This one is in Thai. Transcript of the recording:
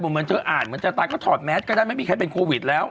เหมือนเธออ่านเหมือนจะตายก็ถอดแมสก็ได้ไม่มีใครเป็นโควิดแล้ว